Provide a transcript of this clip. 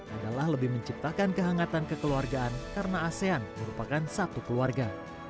adalah lebih menciptakan kehangatan kekeluargaan karena asean merupakan satu keluarga